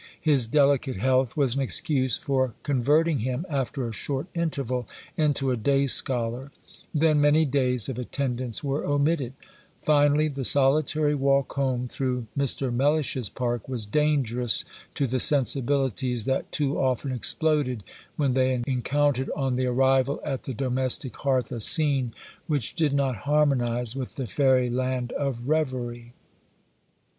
His delicate health was an excuse for converting him, after a short interval, into a day scholar; then many days of attendance were omitted; finally, the solitary walk home through Mr. Mellish's park was dangerous to the sensibilities that too often exploded when they encountered on the arrival at the domestic hearth a scene which did not harmonise with the fairy land of reverie.